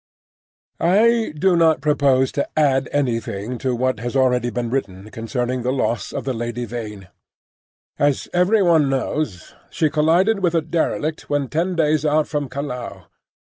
I do not propose to add anything to what has already been written concerning the loss of the Lady Vain. As everyone knows, she collided with a derelict when ten days out from Callao.